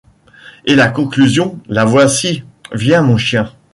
Et la conclusion ; la voici : Viens, mon chien !